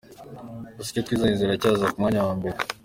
Gusa izo twiganye ziracyaza ku mwanya wa mbere".